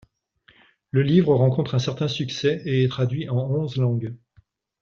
Le livre rencontre un certain succès et est traduit en onze langues.